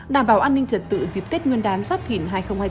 đảm bảo an ninh trật tự dịp tết nguyên đán sắp khỉn hai nghìn hai mươi bốn